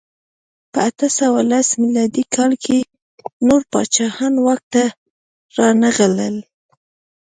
په اته سوه لس میلادي کال کې نور پاچاهان واک ته رانغلل.